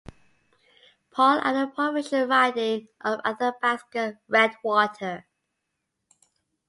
Paul and the provincial riding of Athabasca-Redwater.